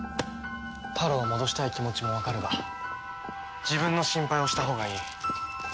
タロウを戻したい気持ちもわかるが自分の心配をしたほうがいい。